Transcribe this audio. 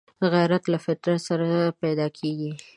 غیرت له فطرت سره پیدا کېږي